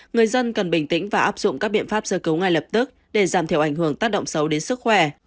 người dân cần bình tĩnh và áp dụng các biện pháp sơ cứu ngay lập tức để giảm thiểu ảnh hưởng tác động xấu đến sức khỏe